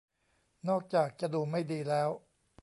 นอกจากจะดูไม่ดีแล้ว